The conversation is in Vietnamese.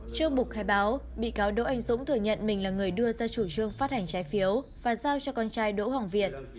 trước bục khai báo bị cáo đỗ anh dũng thừa nhận mình là người đưa ra chủ trương phát hành trái phiếu và giao cho con trai đỗ hoàng việt